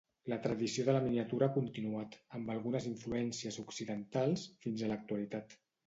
La tradició de la miniatura ha continuat, amb algunes influències occidentals, fins a l'actualitat.